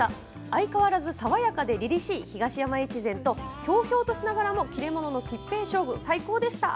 相変わらず爽やかでりりしい東山越前とひょうひょうとしながらも切れ者の桔平将軍最高でした。